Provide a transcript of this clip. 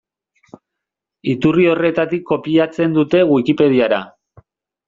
Iturri horretatik kopiatzen dute Wikipediara.